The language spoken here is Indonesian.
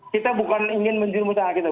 kita bukan ingin menjurut jurut tangan kita